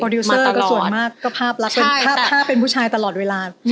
โปรดิวเซอร์ส่วนมากก็ภาพเป็นผู้ชายตลอดเวลา